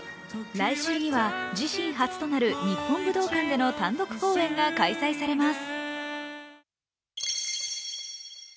来週には自身初となる日本武道館での単独公演が開催されます。